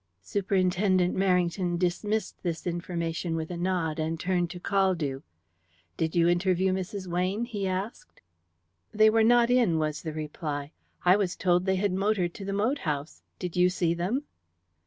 Superintendent Merrington dismissed this information with a nod, and turned to Caldew. "Did you interview Mrs. Weyne?" he asked. "They were not in," was the reply. "I was told they had motored to the moat house. Did you see them?"